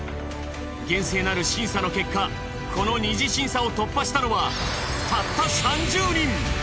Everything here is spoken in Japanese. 厳正なる審査の結果この二次審査を突破したのはたった３０人。